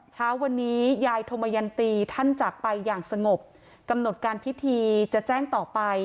เช้าวันนี้ยายธมยันตีท่านจากไปอย่างสงบกำหนดการพิธีจะแจ้งต่อไป